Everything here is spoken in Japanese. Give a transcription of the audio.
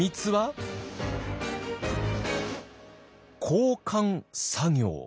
「交換作業」。